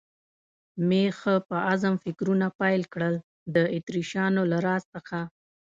مې ښه په عزم فکرونه پیل کړل، د اتریشیانو له راز څخه.